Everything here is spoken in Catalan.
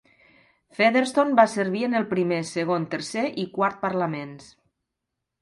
Featherston va servir en el primer, segon, tercer i quart Parlaments.